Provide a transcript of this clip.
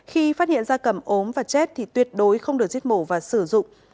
khi phát hiện da cầm ốm và chết thì tuyệt đối không được giết mổ và sử dụng